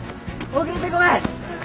遅れてごめん！